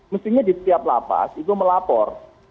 mestinya di setiap lapas itu melapor